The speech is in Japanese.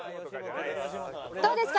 どうですか？